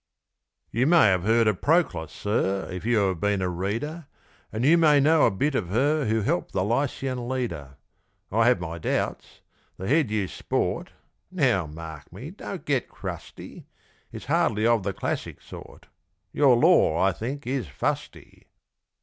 You may have heard of Proclus, sir, If you have been a reader; And you may know a bit of her Who helped the Lycian leader. I have my doubts the head you "sport" (Now mark me, don't get crusty) Is hardly of the classic sort Your lore, I think, is fusty.